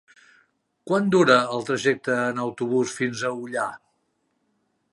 Quant dura el trajecte en autobús fins a Ullà?